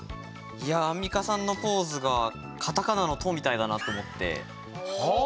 アンミカさんのポーズがカタカナの「ト」みたいだなって思って。